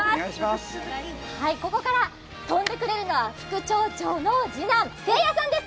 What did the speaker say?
ここから飛んでくれるのは、副町長の次男、せいやさんです。